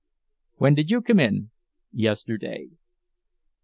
"When did you come in?" "Yesterday."